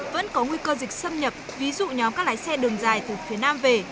vẫn có nguy cơ dịch xâm nhập ví dụ nhóm các lái xe đường dài từ phía nam về